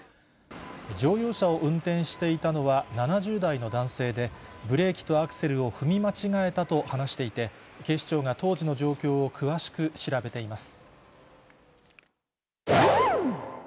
乗用車を運転していたのは、７０代の男性で、ブレーキとアクセルを踏み間違えたと話していて、警視庁が当時の状況を詳しく調べています。